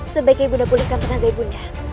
sebaiknya ibunda pulihkan tenaga ibunya